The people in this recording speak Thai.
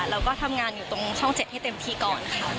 แล้วก็ทำงานอยู่ตรงช่อง๗ให้เต็มที่ก่อนค่ะ